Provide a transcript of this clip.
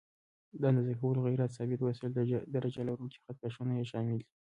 د اندازه کولو غیر ثابت وسایل: درجه لرونکي خط کشونه یې شامل دي.